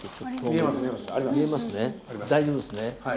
大丈夫ですね？